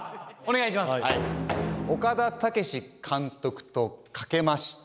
「岡田武史監督」とかけまして。